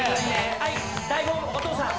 はい代表お父さん。